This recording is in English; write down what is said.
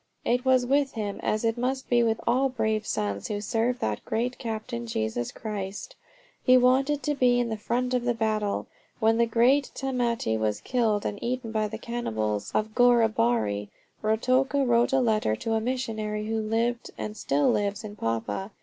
It was with him as it must be with all brave sons who serve that great Captain, Jesus Christ: he wanted to be in the front of the battle. When the great Tamate was killed and eaten by the cannibals of Goaribari, Ruatoka wrote a letter to a missionary who lived and still lives in Papua.